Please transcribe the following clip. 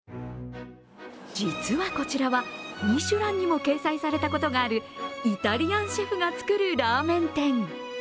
実はこちらはミシュランにも掲載されたことがあるイタリアンシェフが作るラーメン店。